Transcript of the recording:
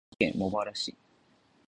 千葉県茂原市